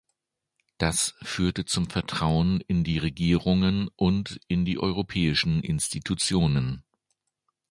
Das führte zum Vertrauen in die Regierungen und in die europäischen Institutionen.